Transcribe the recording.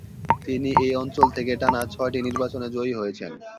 তিনি এই অঞ্চল থেকে টানা ছয়টি নির্বাচনে জয়ী হয়েছেন।